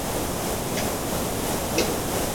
আমি কখনোই বলবো না ছেলেরা যেটা করেছে সেটা ঠিক ছিল।